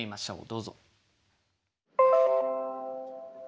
どうぞ。